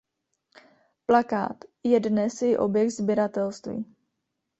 Plakát je dnes i objekt sběratelství.